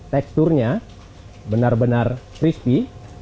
teksturnya benar benar crispy